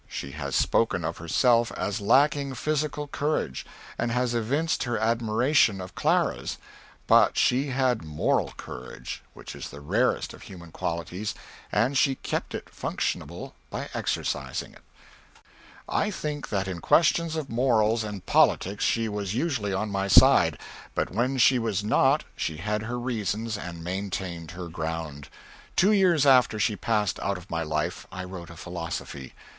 She has spoken of herself as lacking physical courage, and has evinced her admiration of Clara's; but she had moral courage, which is the rarest of human qualities, and she kept it functionable by exercising it. I think that in questions of morals and politics she was usually on my side; but when she was not she had her reasons and maintained her ground. Two years after she passed out of my life I wrote a Philosophy.